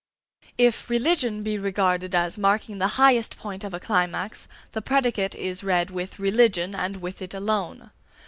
If "religion" be regarded as marking the highest point of a climax, the predicate is read with "religion," and with it alone.